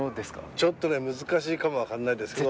ちょっとね難しいかも分かんないですけど。